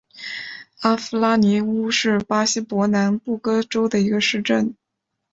阿夫拉尼乌是巴西伯南布哥州的一个市镇。